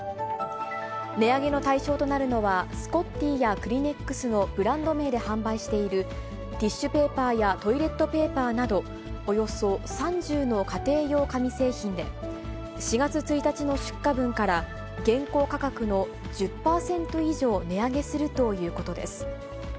値上げの対象となるのは、スコッティやクリネックスのブランド名で販売しているティッシュペーパーやトイレットペーパーなど、およそ３０の家庭用紙製品で、４月１日の出荷分から、現行価格の１０％以上値上げするということです。